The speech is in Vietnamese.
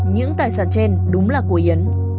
những tài sản trên đúng là của yến